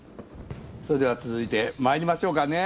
それでは続いてまいりましょうかね